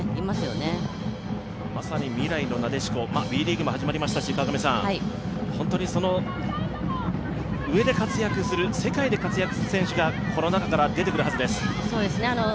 まさに未来のなでしこ、ＷＥリーグも始まりましたし、上で活躍する、世界で活躍する選手がこの中から出てくるはずです。